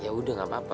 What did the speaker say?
ya udah gak apa apa